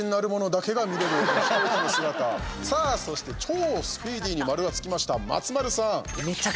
そして、超スピーディーに丸がつきました、松丸さん。